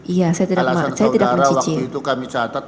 alasan saudara waktu itu kami catat